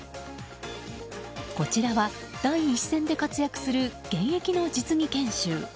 こちらは第一線で活躍する現役の実技研修。